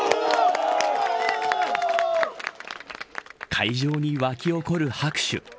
会場に沸き起こる拍手。